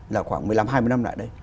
là khoảng một mươi năm hai mươi năm lại đây